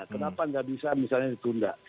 kenapa nggak bisa misalnya ditunda